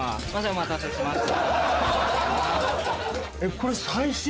お待たせしました。